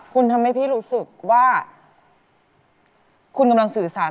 คืนที่เราห่างไกล